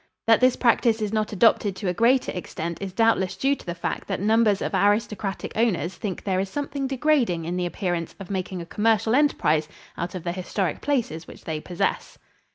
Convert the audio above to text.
That this practice is not adopted to a greater extent is doubtless due to the fact that numbers of aristocratic owners think there is something degrading in the appearance of making a commercial enterprise out of the historic places which they possess.